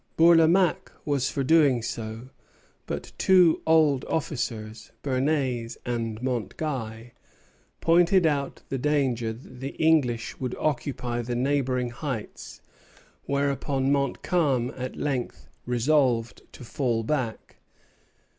Bourlamaque was for doing so; but two old officers, Bernès and Montguy, pointed out the danger that the English would occupy the neighboring heights; whereupon Montcalm at length resolved to fall back.